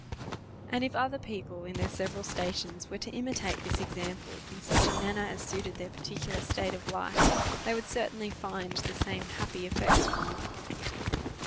And if other people, in their several stations, were to imitate this example, in such a manner as suited their particu lar state of life, they would certainly find the same happy effects from it.